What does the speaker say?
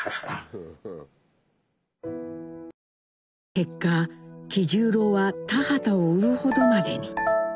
結果喜十郎は田畑を売るほどまでに。